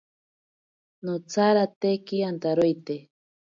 Notsarateki antaroite.